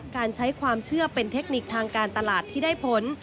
การใช้ความเชื่อเป็นเทคนิคทางการตลาดที่ได้ผล